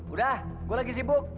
udah gue lagi sibuk